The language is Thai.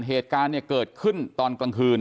เหตุการณ์เนี่ยเกิดขึ้นตอนกลางคืน